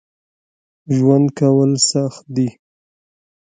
ژوند کول سخت دي